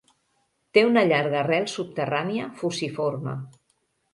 Té una llarga arrel subterrània fusiforme.